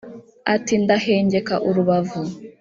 ati ndahengeka urubavu